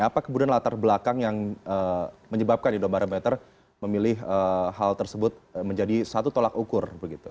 apa kemudian latar belakang yang menyebabkan indobarometer memilih hal tersebut menjadi satu tolak ukur begitu